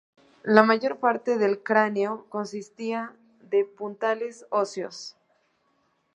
La mayor parte del cráneo consistía de puntales óseos.